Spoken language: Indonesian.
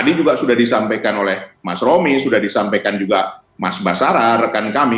tadi juga sudah disampaikan oleh mas romi sudah disampaikan juga mas basara rekan kami